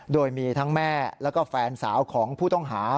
โดยมีทั้งแม่แล้วก็แฟนสาวของผู้ต้องหา